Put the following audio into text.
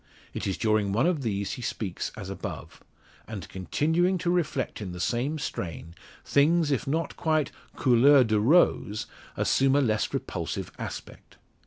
It is during one of these he speaks as above; and continuing to reflect in the same strain, things, if not quite couleur de rose, assume a less repulsive aspect.